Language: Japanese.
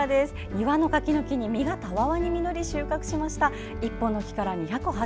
庭の柿の木に実がたわわに実り収穫しました。